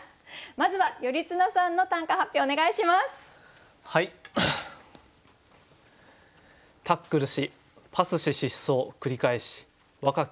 まずは頼綱さんの短歌発表お願いします。